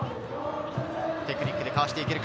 テクニックでかわしていくか？